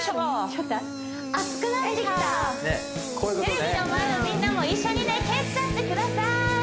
ちょっと待って暑くなってきたテレビの前のみんなも一緒にね蹴っちゃってください